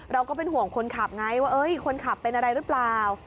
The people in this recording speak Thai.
เราก็เป็นห่วงคนขับไงว่าคนขับเป็นอะไรหรือเปล่า